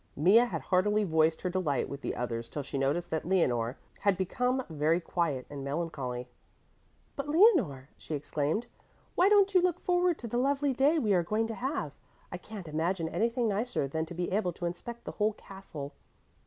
Mea had heartily voiced her delight with the others till she noticed that Leonore had become very quiet and melancholy. "But, Leonore," she exclaimed, "why don't you look forward to the lovely day we are going to have? I can't imagine anything nicer than to be able to inspect the whole castle."